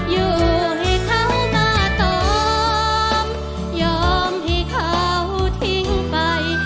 อยู่ให้เขามาตอมยอมให้เขาทิ้งไป